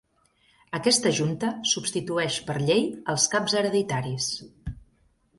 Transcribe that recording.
Aquesta Junta substitueix per llei als caps hereditaris.